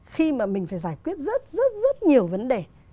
khi mà mình phải giải quyết rất rất rất rất nhiều vấn đề